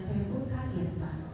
saya buka jepang